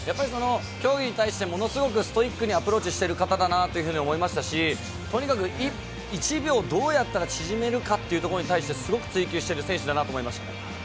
競技に対してものすごくストイックにアプローチしている方だなと思いましたしとにかく１秒をどうやったら縮められるかっていうところをすごく追求している選手だなと思いました。